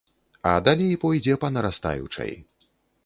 А далей пойдзе па нарастаючай.